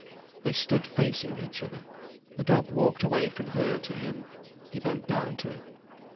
They stood facing each other. The dog walked away from her to him. He bent down to it.